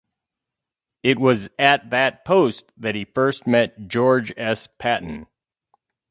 It was at that post that he first met George S. Patton.